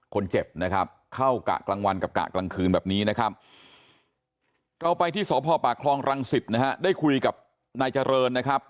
คนเจ็บนะครับเข้ากะกลางวันกับกะกลางคืนแบบนี้นะครับเราไปที่สพปากคลองรังสิตนะฮะได้คุยกับนายเจริญนะครับ